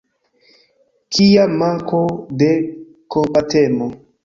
Kia manko de kompatemo!